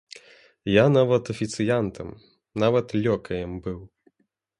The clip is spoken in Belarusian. Я нават афіцыянтам, нават лёкаем быў.